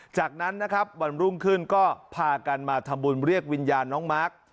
จากนั้นนะครับวันรุ่งขึ้นก็พากันมาทำบุญเรียกวิญญาณน้องมาร์ค